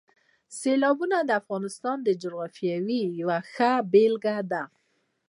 سیلابونه د افغانستان د جغرافیې یوه ښه بېلګه ده.